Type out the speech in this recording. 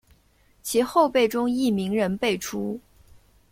其后辈中亦名人辈出。